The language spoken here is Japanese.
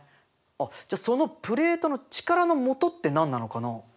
あっじゃそのプレートの力のもとって何なのかな？